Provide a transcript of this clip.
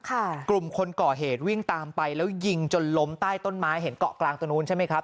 กลุ่มคนก่อเหตุวิ่งตามไปแล้วยิงจนล้มใต้ต้นไม้เห็นเกาะกลางตรงนู้นใช่ไหมครับ